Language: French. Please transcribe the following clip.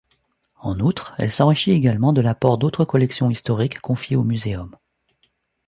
En outre, elle s’enrichit également de l’apport d’autres collections historiques confiées au Muséum.